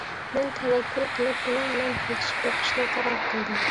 مەن تەۋەككۈل قىلىپ ئۇنىڭ بىلەن سۆزلىشىپ بېقىشنى قارار قىلدىم.